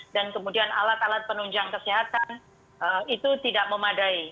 dan kemudian alat alat penunjang kesehatan itu tidak memadai